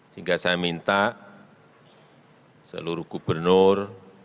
sehingga saya minta seluruh gubernur